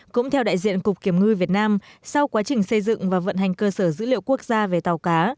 cũng theo đại diện cục kiểm ngư việt nam sau quá trình xây dựng và vận hành cơ sở dữ liệu quốc gia về tàu cá